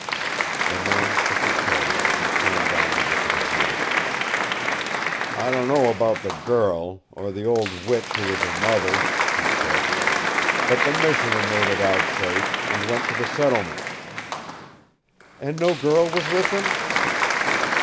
The man shook his head, and turned down the wick of his lamp. "I dunno about the girl, or the old witch who was her mother," he said, "but the Missioner made it out safe, and went to the settlements." "And no girl was with him?"